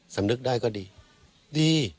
สำนึกได้ก็ดีดี